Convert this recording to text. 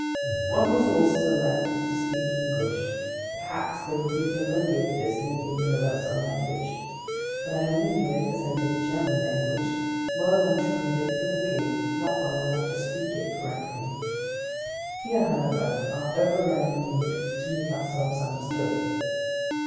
One resource still left was to speak English. Perhaps they would be familiar with this nearly universal language. But I only knew it, as I did the German language, well enough to read it fluently, not well enough to speak it correctly. Here, however, our overriding need was to make ourselves understood.